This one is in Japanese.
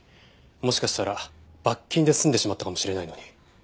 もしかしたら罰金で済んでしまったかもしれないのに。